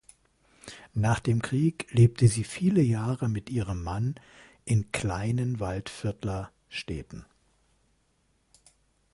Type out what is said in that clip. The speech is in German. Nach dem Krieg lebte sie viele Jahre mit ihrem Mann in kleinen Waldviertler Städten.